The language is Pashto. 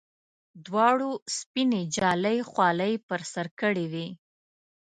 دواړو سپینې جالۍ خولۍ پر سر کړې وې.